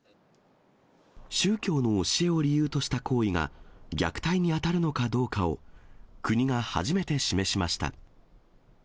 宗教の教えを理由とした行為が、虐待に当たるのかどうかを、国が初めて示しました。